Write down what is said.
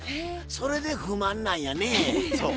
それで不満なんやねぇ。